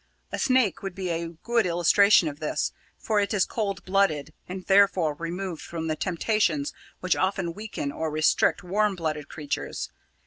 A snake would be a good illustration of this, for it is cold blooded, and therefore removed from the temptations which often weaken or restrict warm blooded creatures.